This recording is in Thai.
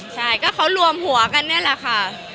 ใช่ก็เขารวมหัวกันนี่แหละค่ะ